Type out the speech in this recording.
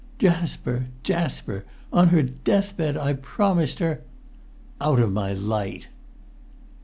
"Jasper! Jasper! On her death bed I promised her——" "Out of my light!"